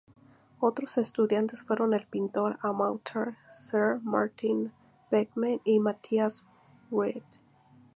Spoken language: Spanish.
Otros estudiantes fueron el pintor amateur Sir Martin Beckman y Matthias Read.